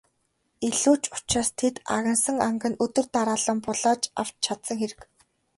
Илүү ч учраас тэд агнасан анг нь өдөр дараалан булааж авч чадсан хэрэг.